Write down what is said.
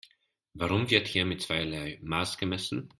Warum wird hier mit zweierlei Maß gemessen?